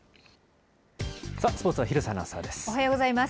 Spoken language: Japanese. スポーツは廣瀬アナウンサーです。